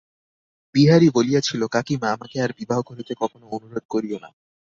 বিহারী বলিয়াছিল, কাকীমা, আমাকে আর বিবাহ করিতে কখনো অনুরোধ করিয়ো না।